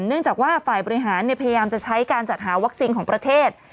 เนื่องจากว่าฝ่ายบริหารพยายามจะใช้การจัดหาวัคซีนของประเทศ